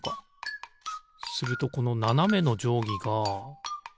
するとこのななめのじょうぎが。